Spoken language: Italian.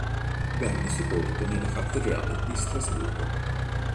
Venne sepolto nella cattedrale di Strasburgo.